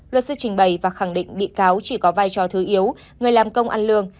luật sư trình bày và khẳng định bị cáo chỉ có vai trò thứ yếu người làm công ăn lương